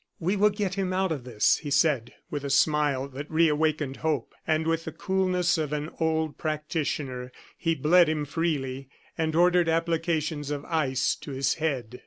"We will get him out of this," he said, with a smile that reawakened hope. And with the coolness of an old practitioner, he bled him freely, and ordered applications of ice to his head.